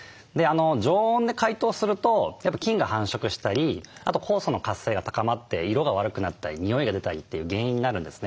常温で解凍するとやっぱ菌が繁殖したりあと酵素の活性が高まって色が悪くなったり臭いが出たりという原因になるんですね。